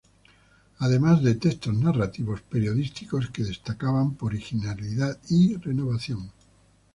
Además de textos narrativos periodísticos que destacaban por originalidad y renovación.